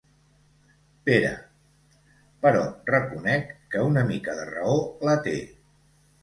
Pere—, però reconec que una mica de raó la té.